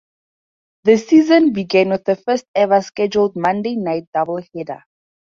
The season began with the first-ever scheduled Monday night doubleheader.